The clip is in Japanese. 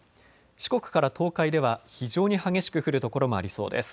四国から東海では非常に激しく降る所もありそうです。